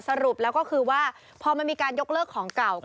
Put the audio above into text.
สรุปแล้วก็คือว่าพอมันมีการยกเลิกของเก่า